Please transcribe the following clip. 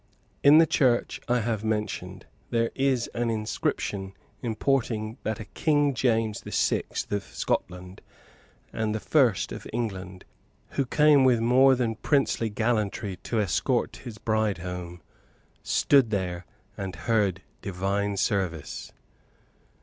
In the church I have mentioned there is an inscription importing that a king James VI. of Scotland and I. of England, who came with more than princely gallantry to escort his bride home stood there, and heard divine service.